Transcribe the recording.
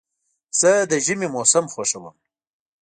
زه د ژمي موسم خوښوم.